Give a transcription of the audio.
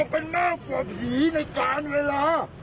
เป็นมากกว่าผีในการเวลา